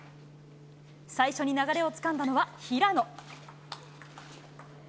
最初に流れをつかんだのは平野。